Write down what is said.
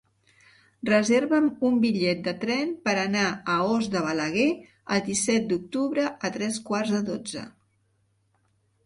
Reserva'm un bitllet de tren per anar a Os de Balaguer el disset d'octubre a tres quarts de dotze.